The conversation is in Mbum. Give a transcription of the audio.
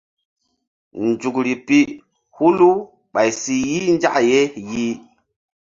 Nzukri pi hulu ɓay si yih nzak ye yih.